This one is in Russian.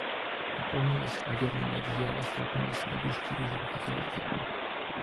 Опомнилась, одернула одеяло, столкнула с подушки рыжего котенка.